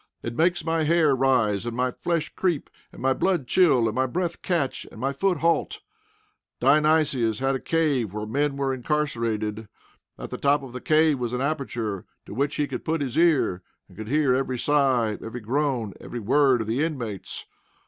It makes my hair rise, and my flesh creep, and my blood chill, and my breath catch, and my foot halt. Dionysius had a cave where men were incarcerated. At the top of the cave was an aperture to which he could put his ear, and could hear every sigh, every groan, every word of the inmates.